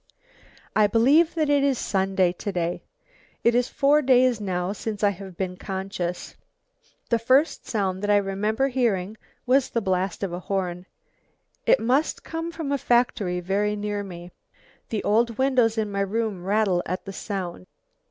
"I believe that it is Sunday to day. It is four days now since I have been conscious. The first sound that I remember hearing was the blast of a horn. It must come from a factory very near me. The old windows in my room rattle at the sound.